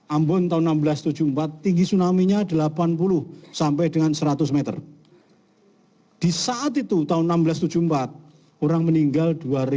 ambon tahun seribu enam ratus tujuh puluh empat tinggi tsunami nya delapan puluh sampai dengan seratus m di saat itu tahun seribu enam ratus tujuh puluh empat orang meninggal